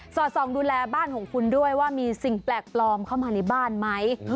อดส่องดูแลบ้านของคุณด้วยว่ามีสิ่งแปลกปลอมเข้ามาในบ้านไหม